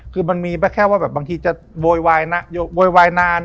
คือมันมีแค่ว่าบางทีจะโวยวายนาน